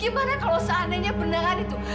gimana kalau seandainya pendarahan itu